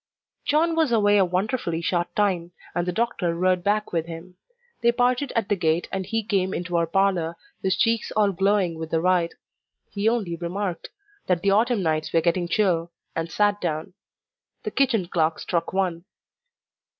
John was away a wonderfully short time, and the doctor rode back with him. They parted at the gate, and he came into our parlour, his cheeks all glowing with the ride. He only remarked, "that the autumn nights were getting chill," and sat down. The kitchen clock struck one.